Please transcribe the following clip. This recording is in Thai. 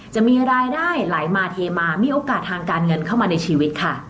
จะมีรายได้ไหลมาเทมามีโอกาสทางการเงินเข้ามาในชีวิตค่ะ